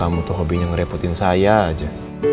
kamu tuh hobinya ngerepotin saya aja